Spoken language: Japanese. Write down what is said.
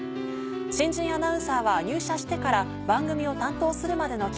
新人アナウンサーは入社してから番組を担当するまでの期間